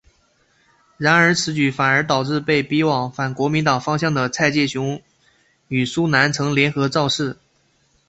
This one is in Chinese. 然而此举反而导致被逼往反国民党方向的蔡介雄与苏南成联合造势。